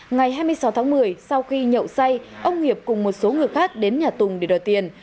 ngày hai mươi sáu tháng một mươi sau khi nhậu say ông hiệp cùng một số người khác đến nhà tùng để đòi tiền